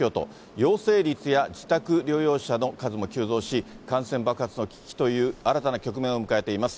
陽性率や自宅療養者の数も急増し、感染爆発の危機という新たな局面を迎えています。